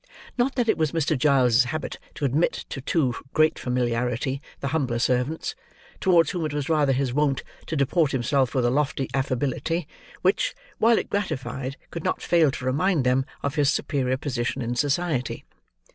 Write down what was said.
Not that it was Mr. Giles's habit to admit to too great familiarity the humbler servants: towards whom it was rather his wont to deport himself with a lofty affability, which, while it gratified, could not fail to remind them of his superior position in society.